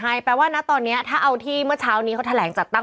ใช่แปลว่านะตอนนี้ถ้าเอาที่เมื่อเช้านี้เขาแถลงจัดตั้ง